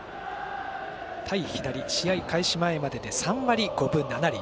対左、試合開始前までで３割５分７厘。